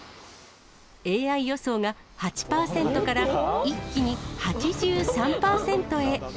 ＡＩ予想が８％から一気に８３％へ。